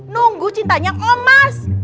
nunggu cintanya omas